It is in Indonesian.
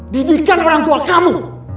didikan orang tua kamu